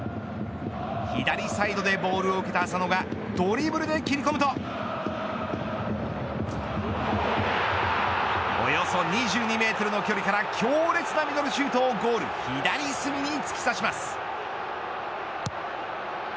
左サイドでボールを受けた浅野がドリブルで切り込むとおよそ２２メートルの距離から強烈なミドルシュートをゴール左隅に突き刺します。